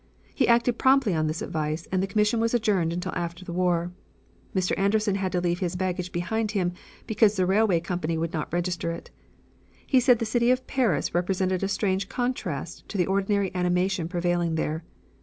He acted promptly on this advice and the commission was adjourned until after the war. Mr. Anderson had to leave his baggage behind him because the railway company would not register it. He said the city of Paris presented a strange contrast to the ordinary animation prevailing there.